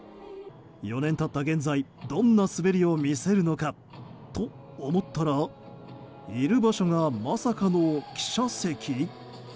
４年経った現在、どんな滑りを見せるのかと思ったらいる場所がまさかの記者席？